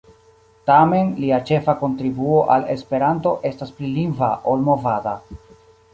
Tamen, lia ĉefa kontribuo al Esperanto estas pli lingva ol movada.